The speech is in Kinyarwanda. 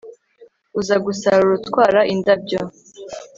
uza gusarura utwara indabyo